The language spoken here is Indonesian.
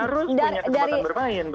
harus punya kesempatan bermain